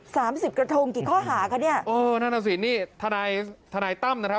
สามสิบกระทงกี่ข้อหาคะเนี่ยเออนั่นน่ะสินี่ทนายทนายตั้มนะครับ